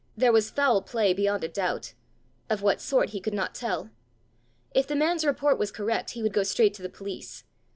There was foul play beyond a doubt! of what sort he could not tell! If the man's report was correct, he would go straight to the police!